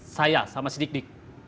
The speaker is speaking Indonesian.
saya sama si dikdik